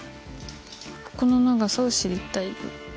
ここの長さを知りたい。